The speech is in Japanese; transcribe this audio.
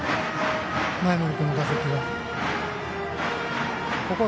前盛君の打席は。